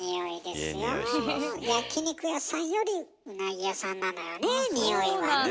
焼き肉屋さんよりうなぎ屋さんなのよねにおいはね。